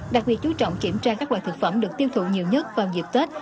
đặc biệt chú trọng kiểm tra các loại thực phẩm được tiêu thụ nhiều nhất vào dịp tết